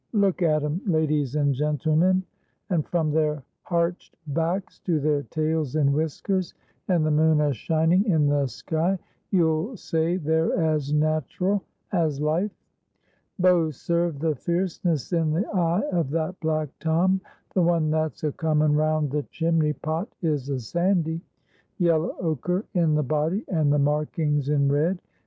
Look at 'em, ladies and gentlemen; and from their harched backs to their tails and whiskers, and the moon a shining in the sky, you'll say they're as natteral as life. Bo serve the fierceness in the eye of that black Tom. The one that's a coming round the chimney pot is a Sandy; yellow ochre in the body, and the markings in red.